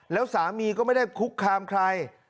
แล้วสามีก็ไม่ได้คุกคามใคร